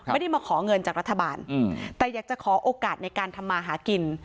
ไม่ได้มาขอเงินจากรัฐบาลแต่อยากจะขอโอกาสในการทำมาหากิน